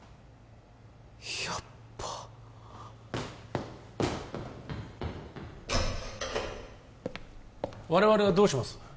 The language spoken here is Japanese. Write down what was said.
やっば我々はどうします？